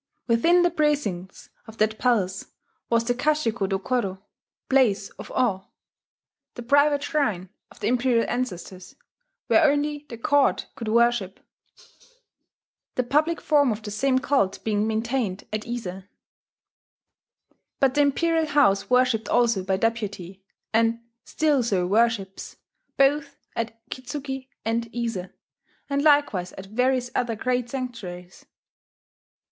Within the precincts of that palace was the Kashiko Dokoro ("Place of Awe"), the private shrine of the Imperial Ancestors, where only the court could worship, the public form of the same cult being maintained at Ise. But the Imperial House worshipped also by deputy (and still so worships) both at Kitzuki and Ise, and likewise at various other great sanctuaries.